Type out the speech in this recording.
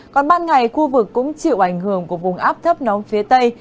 còn ban ngày khu vực cũng chịu ảnh hưởng của vùng áp thấp nóng phía tây